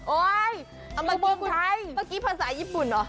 โอ๊ยมันไม่มีภาษาไทย